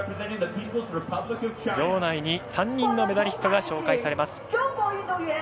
場内に３人のメダリストが紹介されます。